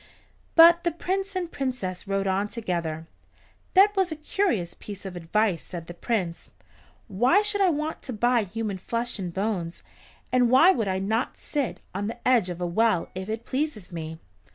But the Prince and Princess rode on together. "That was a curious piece of advice," said the Prince. "Why should I want to buy human flesh and bones, and why should I not sit on the edge of a well if it pleases me?"